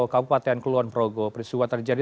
kabupaten keluon progo persuatan terjadi